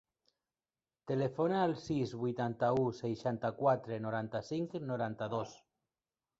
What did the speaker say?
Telefona al sis, vuitanta-u, seixanta-quatre, noranta-cinc, noranta-dos.